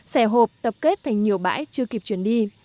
xe hộp tập kết thành nhiều bãi chưa kịp chuyển đi